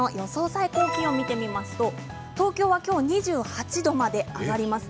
最高気温見てみますと東京は、きょう２８度まで上がります。